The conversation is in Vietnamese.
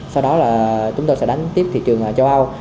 sau đó là chúng tôi sẽ đánh tiếp thị trường châu âu